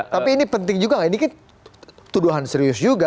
tapi ini penting juga ini kan tuduhan serius juga